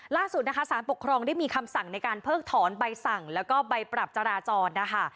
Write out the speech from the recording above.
ล่าสุดนะคะสารปกครองได้มีคำสั่งในการเพิกถอนใบสั่งแล้วก็ใบปรับจราจรนะคะ